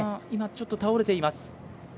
今、ちょっと倒れています。